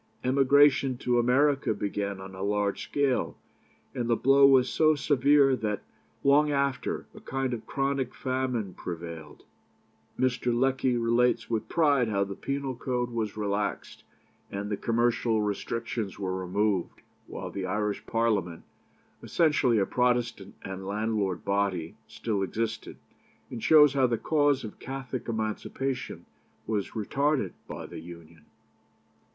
Emigration to America began on a large scale, and the blow was so severe that long after, a kind of chronic famine prevailed." Mr. Lecky relates with pride how the penal code was relaxed, and the commercial restrictions were removed, while the Irish Parliament, essentially a Protestant and landlord body, still existed, and shows how the cause of Catholic Emancipation was retarded by the Union.